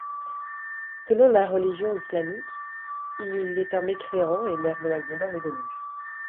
Selon la religion islamique, il est un mécréant et meurt noyé dans le déluge.